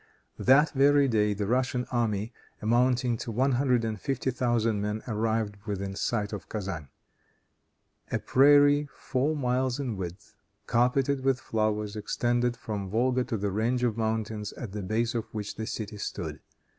That very day, the Russian army, amounting to one hundred and fifty thousand men, arrived within sight of Kezan. A prairie four miles in width, carpeted with flowers, extended from the Volga to the range of mountains at the base of which the city stood.